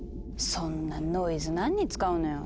そんなノイズ何に使うのよ。